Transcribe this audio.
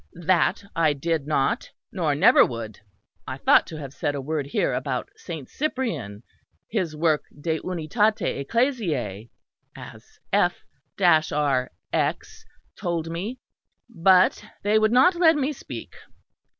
That I did not nor never would. I thought to have said a word here about St. Cyprian his work De Unitate Ecclesiae, as F r X. told me, but they would not let me speak.